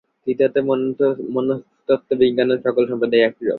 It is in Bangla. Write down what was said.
দ্বিতীয়ত মনস্তত্ত্ব-বিজ্ঞানও সকল সম্প্রদায়েরই একরূপ।